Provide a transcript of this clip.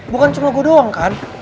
bukan cuma gue doang kan